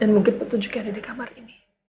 dan mungkin petunjuknya ada di kamar ini